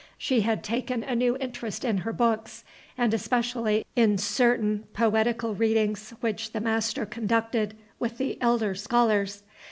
She had taken a new interest in her books, and especially in certain poetical readings which the master conducted with the elder scholars.